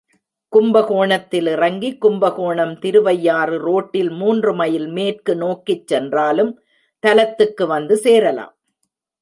கும்பகோணத்தில் இறங்கி, கும்பகோணம் திருவையாறு ரோட்டில் மூன்று மைல் மேற்கு நோக்கிச் சென்றாலும் தலத்துக்கு வந்து சேரலாம்.